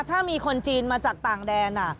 ถ้ามีคนจีนมาจากต่างแดน